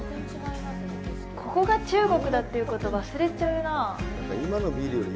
ここが中国だということを忘れちゃうなぁ。